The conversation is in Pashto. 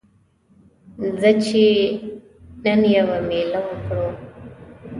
ځه چې نن یوه میله وکړو